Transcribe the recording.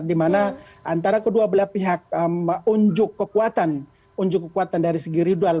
di mana antara kedua belah pihak unjuk kekuatan unjuk kekuatan dari segi rudal